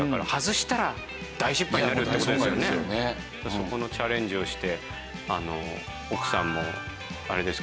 そこのチャレンジをして。